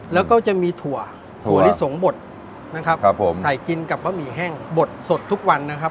แล้วก็จะมีถั่วถั่วลิสงบดนะครับครับผมใส่กินกับบะหมี่แห้งบดสดทุกวันนะครับ